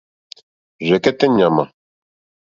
Rzɛ̀kɛ́tɛ́ ɲàmà.